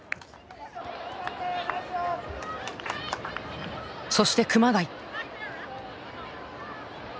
そして熊谷。